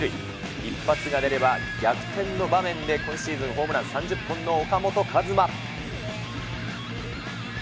一発が出れば逆転の場面で、今シーズンホームラン３０本の岡本和真。